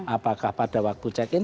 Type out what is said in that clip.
apakah pada waktu check in